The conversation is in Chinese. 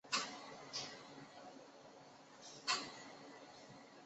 今天它供维尔纽斯的波兰人使用。